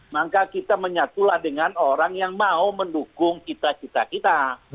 maka kita menyatulah dengan orang yang mau mendukung cita cita kita